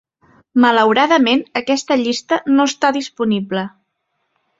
Malauradament, aquesta llista no està disponible.